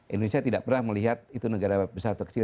indonesia tidak pernah melihat itu negara besar atau kecil